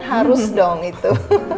harus dong itu